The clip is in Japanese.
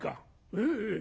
「ええええ。